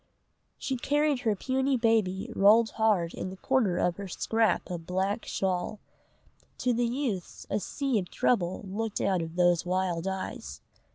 She carried her puny baby rolled hard in the corner of her scrap of black shawl. To the youths a sea of trouble looked out of those wild eyes.